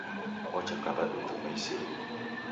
Ocha kadadu juma isirie.